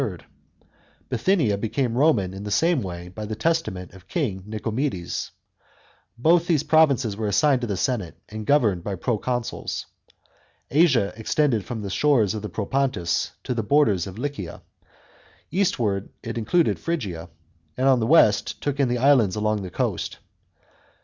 Bithynia became Roman in the same way by the testament of King Nicomedes. Both these provinces were assigned to the senate and governed by proconsuls. Asia extended from the shores of the Propontis to the borders of Lycia ; eastward it included Phrygia, and on the west took in the islands along the coast.